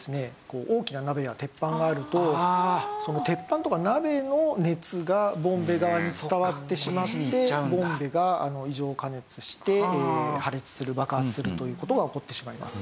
大きな鍋や鉄板があるとその鉄板とか鍋の熱がボンベ側に伝わってしまってボンベが異常加熱して破裂する爆発するという事が起こってしまいます。